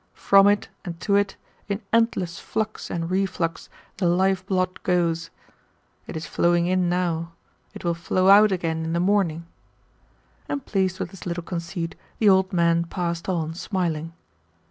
From it and to it, in endless flux and reflux, the life blood goes. It is flowing in now. It will flow out again in the morning"; and pleased with his little conceit, the old man passed on smiling.